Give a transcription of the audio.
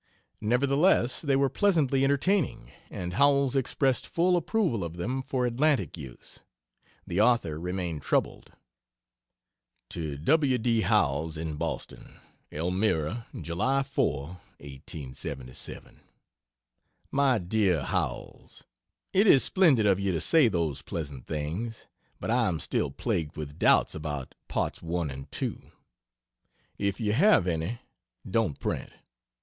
Nevertheless, they were pleasantly entertaining, and Howells expressed full approval of them for Atlantic use. The author remained troubled. To W. D. Howells, in Boston: ELMIRA, July 4,1877. MY DEAR HOWELLS, It is splendid of you to say those pleasant things. But I am still plagued with doubts about Parts 1 and 2. If you have any, don't print.